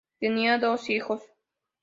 Tenían dos hijos.